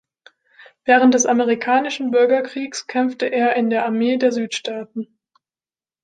Während des Amerikanischen Bürgerkriegs kämpfte er in der Armee der Südstaaten.